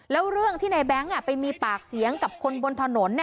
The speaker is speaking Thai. แล้วเรื่องที่ในแบงค์ไปมีปากเสียงกับคนบนถนน